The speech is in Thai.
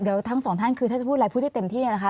เดี๋ยวทั้งสองท่านคือถ้าจะพูดอะไรพูดให้เต็มที่เนี่ยนะคะ